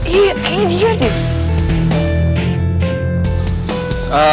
iya kayaknya dia deh